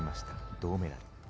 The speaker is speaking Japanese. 銅メダル。